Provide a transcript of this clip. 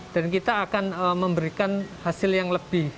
dan kita akan memberikan hasil yang lebih